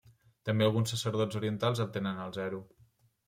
També alguns sacerdots orientals el tenen al zero.